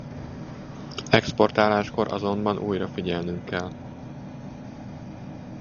Exportáláskor azonban újra figyelnünk kell.